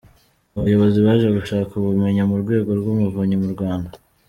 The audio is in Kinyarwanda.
Abayobozi baje gushaka ubumenyi mu rwego rw’Umuvunyi mu Rwanda